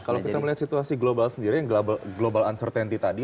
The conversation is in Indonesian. kalau kita melihat situasi global sendiri yang global uncertainty tadi